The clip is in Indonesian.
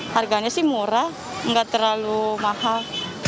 harganya sih murah nggak terlalu mahal